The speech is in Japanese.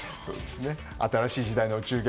新しい時代のお中元。